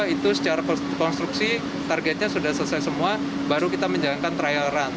itu secara konstruksi targetnya sudah selesai semua baru kita menjalankan trial run